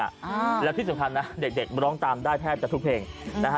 อ่าแล้วที่สุดท้านนะเด็กร้องตามได้แทบจากทุกเพลงนะฮะ